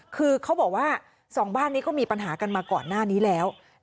คือเขาบอกว่าสองบ้านนี้ก็มีปัญหากันมาก่อนหน้านี้แล้ว